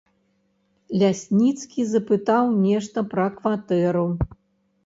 Лясніцкі запытаў нешта пра кватэру.